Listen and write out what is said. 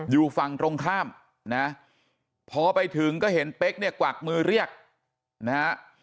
อยู่ฝั่งตรงข้ามนะพอไปถึงก็เห็นเป๊กเนี่ยกวักมือเรียกนะฮะ